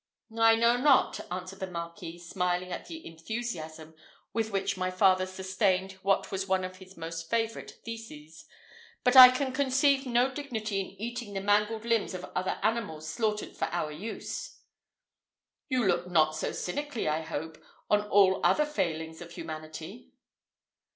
"I know not," answered the Marquis, smiling at the enthusiasm with which my father sustained what was one of his most favourite theses, "but I can conceive no dignity in eating the mangled limbs of other animals slaughtered for our use." "You look not so cynically, I hope, on all other failings of humanity?"